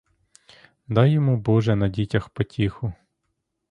Дай йому боже на дітях потіху!